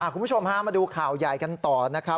คุณผู้ชมฮะมาดูข่าวใหญ่กันต่อนะครับ